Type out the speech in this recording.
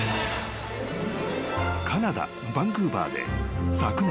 ［カナダバンクーバーで昨年］